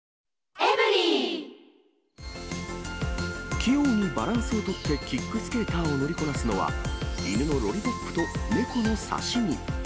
器用にバランスを取ってキックスケーターを乗りこなすのは、犬のロリポップと猫のサシミ。